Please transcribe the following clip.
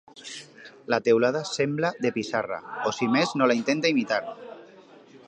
La teulada sembla de pissarra, o si més no la intenta imitar.